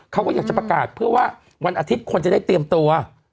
เขาก็อยากจะประกาศเพื่อว่าวันอาทิตย์คนจะได้เตรียมตัว